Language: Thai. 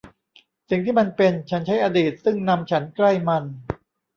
สิ่งที่มันเป็น ฉันใช้อดีตซึ่งนำฉันใกล้มัน